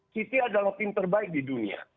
city adalah tim terbaik di dunia